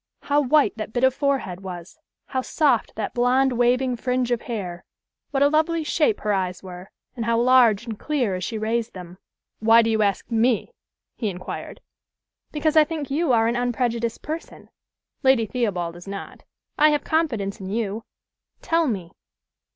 How white that bit of forehead was! How soft that blonde, waving fringe of hair! What a lovely shape her eyes were, and how large and clear as she raised them! "Why do you ask me?" he inquired. "Because I think you are an unprejudiced person. Lady Theobald is not. I have confidence in you. Tell me."